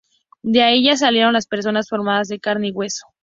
De allí ya salieron las personas formadas de carne y hueso.